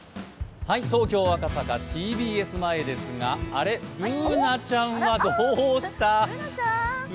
東京・赤坂ＴＢＳ前ですが、あれっ、Ｂｏｏｎａちゃんはどうした？